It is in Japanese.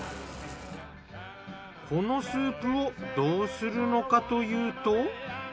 このスープをどうするのかというと。